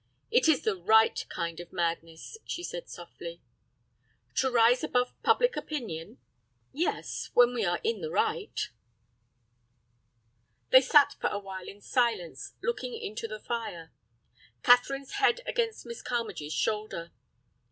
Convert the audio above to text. "It is the right kind of madness," she said, softly. "To rise above public opinion?" "Yes, when we are in the right." They sat for a while in silence, looking into the fire, Catherine's head against Miss Carmagee's shoulder.